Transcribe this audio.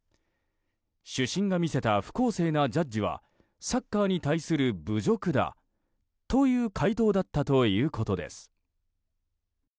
主審が見せた不公正なジャッジはサッカーに対する侮辱だという回答だったということです。